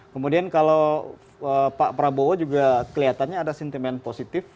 kemudian kalau pak prabowo juga kelihatannya ada sentimen positif